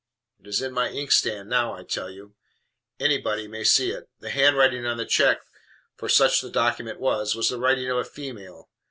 It is in my inkstand now, I tell you. Anybody may see it. The handwriting on the check, for such the document was, was the writing of a female.